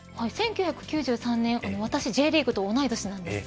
１９９３年、私はＪリーグと同い年です。